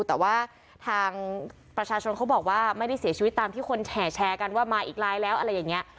แต่ว่าทางประชาชนเขาบอกว่าไม่ได้เสียชีวิตตามที่คนแห่แชร์กันว่ามาอีกลายแล้วอะไรอย่างนี้